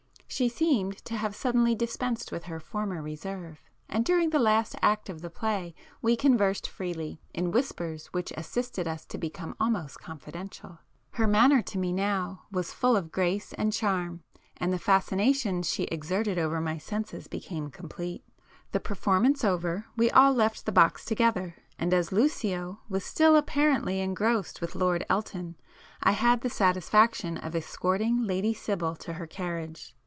She seemed to have suddenly dispensed with her former reserve, and during the last act of the play, we conversed freely, in whispers which assisted us to become almost confidential. Her manner to me now was full of grace and charm, and the fascination she exerted over my senses became complete. The performance over, we all left the box together, and as Lucio was still apparently engrossed with Lord Elton I had the satisfaction of escorting Lady Sibyl to her carriage.